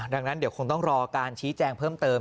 ดังนั้นเดี๋ยวคงต้องรอการชี้แจงเพิ่มเติม